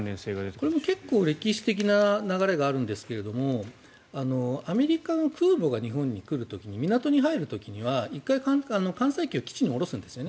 これも結構歴史的な流れがあるんですけどもアメリカの空母が日本に来る時に、港に入る時には１回、艦載機を基地に下ろすんですね。